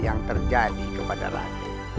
yang terjadi kepada raden